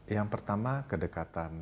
yang pertama kedekatan